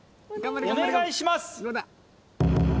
お願いします